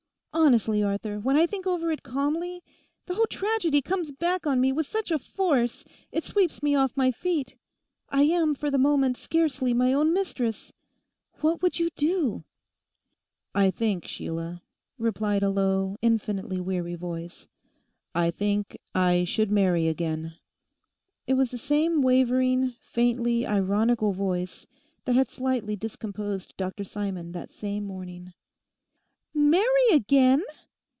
Honestly, Arthur, when I think over it calmly, the whole tragedy comes back on me with such a force it sweeps me off my feet; I am for the moment scarcely my own mistress. What would you do?' 'I think, Sheila,' replied a low, infinitely weary voice, 'I think I should marry again.' It was the same wavering, faintly ironical voice that had slightly discomposed Dr Simon that same morning. '"Marry again"!